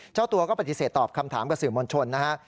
เจ้าตัวก็ปฏิเสธตอบคำถามกับสื่อมวลชนนะฮะ